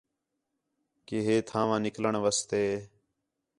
کہ ہے تھاں وا نِکلݨ واسطے